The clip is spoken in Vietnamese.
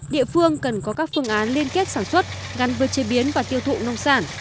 địa phương cần có các phương án liên kết sản xuất gắn với chế biến và tiêu thụ nông sản